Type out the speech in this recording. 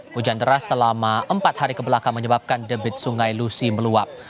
hujan deras selama empat hari kebelakang menyebabkan debit sungai lusi meluap